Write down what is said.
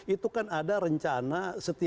itu kan ada rencana